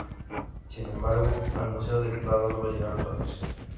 Sin embargo, al Museo del Prado solo llegaron catorce.